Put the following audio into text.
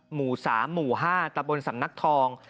หมู่๓หมู่๕ตะบนสำนักทอง